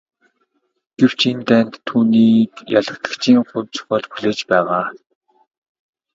Гэвч энэ дайнд түүнийг ялагдагчийн хувь зохиол хүлээж байгаа.